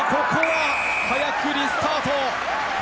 ここは早くリスタート。